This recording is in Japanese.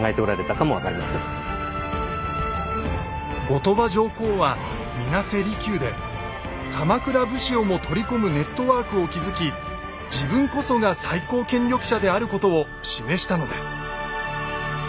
後鳥羽上皇は水無瀬離宮で鎌倉武士をも取り込むネットワークを築き自分こそが最高権力者であることを示したのです。